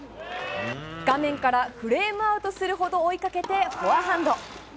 画面からフレームアウトするほど追いかけてフォアハンド。